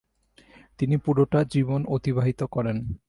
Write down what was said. তিনি পুরোটা জীবন অতিবাহিত করেন।